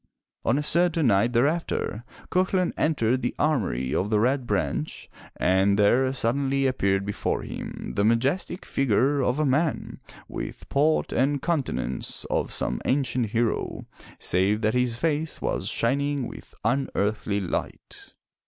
On a certain night thereafter, Cuchulain entered the armory of the Red Branch and there suddenly appeared before him the majestic figure of a man with port and countenance of some ancient hero, save that his face was shining with unearthly light.